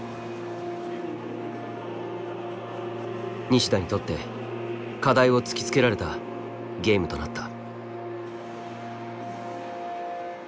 西田にとって課題を突きつけられたゲームとなった。